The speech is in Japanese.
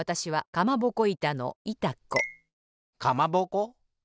かまぼこ？